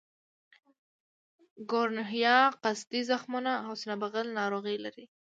ګونورهیا قصدي زخمونو او سینه بغل ناروغۍ لري.